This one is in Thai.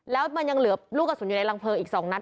แล้วมันยังเหลือลูกกระสุนอยู่ในรังเพลิงอีก๒นัด